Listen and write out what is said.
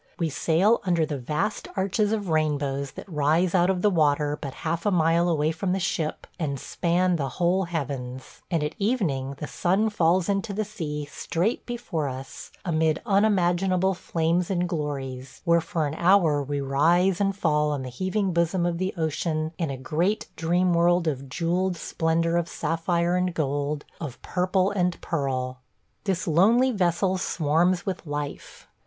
We sail under the vast arches of rainbows that rise out of the water but half a mile away from the ship and span the whole heavens; and at evening the sun falls into the sea, straight before us, amid unimaginable flames and glories, where for an hour we rise and fall on the heaving bosom of the ocean in a great dream world of jewelled splendor of sapphire and gold, of purple and pearl. ... This lonely vessel swarms with life.